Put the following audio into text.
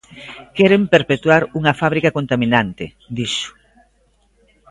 "Queren perpetuar unha fábrica contaminante", dixo.